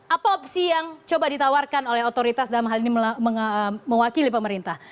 apa opsi yang coba ditawarkan oleh otoritas dalam hal ini mewakili pemerintah